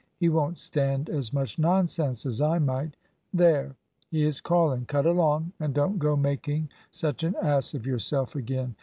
He won't stand as much nonsense as I might. There! he is calling. Cut along, and don't go making such an ass of yourself again.